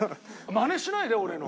マネしないで俺の。